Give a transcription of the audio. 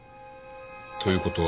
という事は。